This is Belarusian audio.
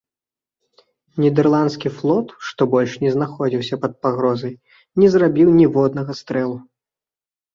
Нідэрландскі флот, што больш не знаходзіўся пад пагрозай, не зрабіў ніводнага стрэлу.